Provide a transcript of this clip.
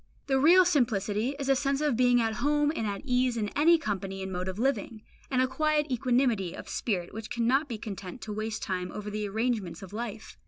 The real simplicity is a sense of being at home and at ease in any company and mode of living, and a quiet equanimity of spirit which cannot be content to waste time over the arrangements of life.